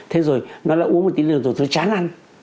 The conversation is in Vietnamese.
thế rồi nó lại uống một tí nữa rồi nó chán ăn